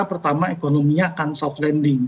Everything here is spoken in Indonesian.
pertama ekonominya akan soft landing